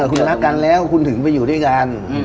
คุณรักกันแล้วคุณถึงไปอยู่ด้วยกัน